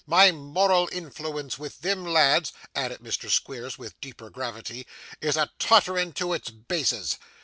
My moral influence with them lads,' added Mr. Squeers, with deeper gravity, 'is a tottering to its basis.